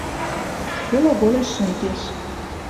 Стӧл оголеш шӹнзеш.